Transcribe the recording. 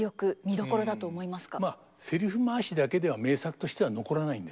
まあセリフ回しだけでは名作としては残らないんですね。